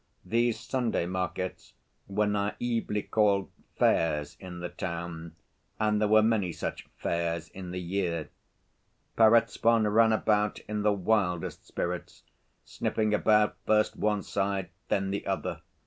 These Sunday markets were naïvely called "fairs" in the town, and there were many such fairs in the year. Perezvon ran about in the wildest spirits, sniffing about first one side, then the other.